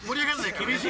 厳しい。